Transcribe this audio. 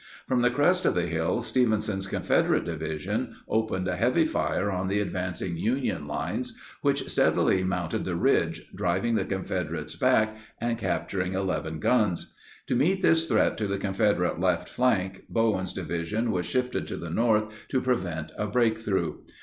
From the crest of the hill, Stevenson's Confederate Division opened a heavy fire on the advancing Union lines which steadily mounted the ridge, driving the Confederates back and capturing 11 guns. To meet this threat to the Confederate left flank, Bowen's Division was shifted to the north to prevent a breakthrough.